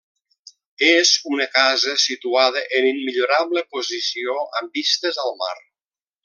És una casa situada en immillorable posició amb vistes al mar.